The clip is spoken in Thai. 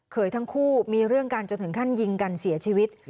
ทั้งคู่มีเรื่องกันจนถึงขั้นยิงกันเสียชีวิต